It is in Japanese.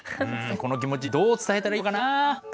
この気持ちどう伝えたらいいのかなぁ。